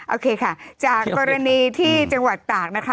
โอเคค่ะจากกรณีที่จังหวัดตากนะคะ